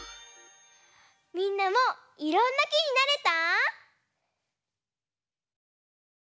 みんなもいろんなきになれた？